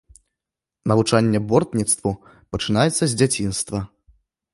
Навучанне бортніцтву пачынаецца з дзяцінства.